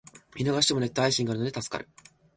見逃してもネット配信があるので助かる